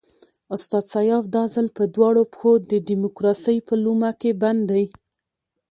استاد سیاف دا ځل په دواړو پښو د ډیموکراسۍ په لومه کې بند دی.